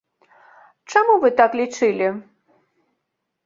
Чаму вы так лічылі?